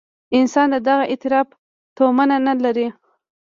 انسان د دغه اعتراف تومنه نه لري.